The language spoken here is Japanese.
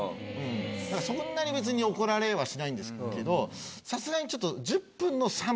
だからそんなに別に怒られはしないんですけどさすがにちょっと。